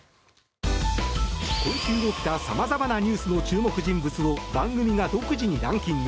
今週起きた様々なニュースの注目人物を番組が独自にランキング。